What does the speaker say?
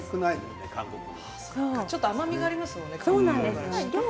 ちょっと甘みがありますよね。